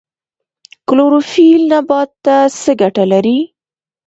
کلوروفیل نبات ته څه ګټه لري؟